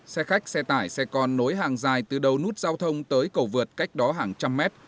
xe khách xe tải xe con nối hàng dài từ đầu nút giao thông tới cầu vượt cách đó hàng trăm mét